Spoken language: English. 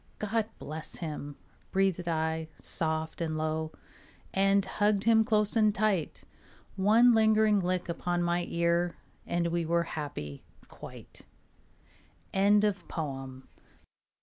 "God bless him," breathed I soft and low, And hugged him close and tight. One lingering lick upon my ear And we were happy quite. ANONYMOUS.